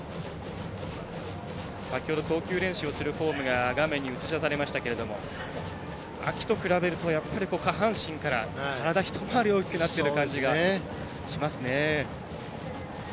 先ほど投球練習をするフォームが映し出されましたけど秋と比べると、下半身から体一回り大きくなってる感じがしますね。